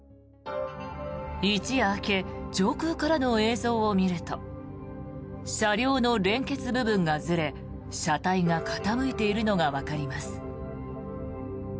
一夜明け上空からの映像を見ると車両の連結部分がずれ車体が傾いているのがわかります。